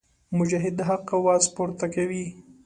مجاهد د حق اواز پورته کوي.